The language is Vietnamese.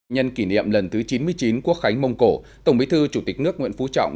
nhân kỷ niệm lần thứ chín mươi chín quốc khánh mông cổ tổng bí thư chủ tịch nước nguyễn phú trọng